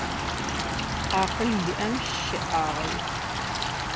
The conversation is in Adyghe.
Акъыл зиӏэм щэӏагъэ иӏ.